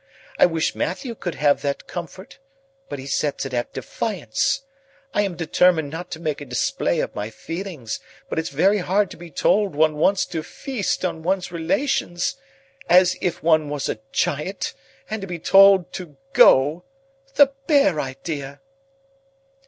I wish Matthew could have that comfort, but he sets it at defiance. I am determined not to make a display of my feelings, but it's very hard to be told one wants to feast on one's relations,—as if one was a Giant,—and to be told to go. The bare idea!"